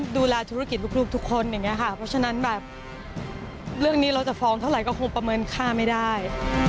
ดูแลธุรกิจลูกทุกคนอย่างนี้ค่ะเพราะฉะนั้นแบบเรื่องนี้เราจะฟ้องเท่าไหร่ก็คงประเมินค่าไม่ได้